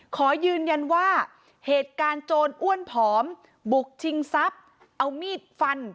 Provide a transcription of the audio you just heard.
ขอยืนยันว่าเหตุการณ์โจรอ้วนผอมบุกชิงทรัพย์เอามีดฟัน